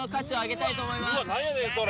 うわ何やねんそれ。